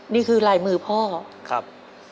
นี่คือลายมือพ่อครับ